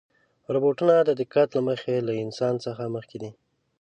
روبوټونه د دقت له مخې له انسان څخه مخکې دي.